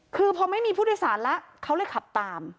คือพอไม่มีผู้โดยสารแล้วเขาเลยขับตาม